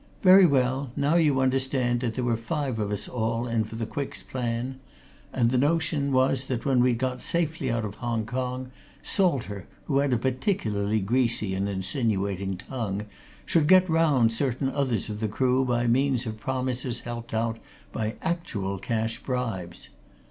Very well now you understand that there were five of us all in for the Quick's plan, and the notion was that when we'd once got safely out of Hong Kong, Salter, who had a particularly greasy and insinuating tongue, should get round certain others of the crew by means of promises helped out by actual cash bribes.